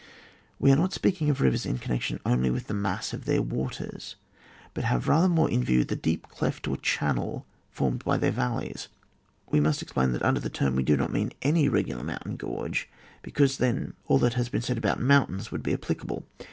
As we are not speaking of rivers in connection only with the mass of their waters, but have rather more in view the deep cleft or channel formed by their valleys, we must explain that under the term we do not mean any regular moxm tain gorge, because then aU that has been said about mountains would be applicable.